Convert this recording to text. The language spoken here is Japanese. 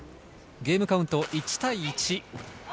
ゲームカウント１対１。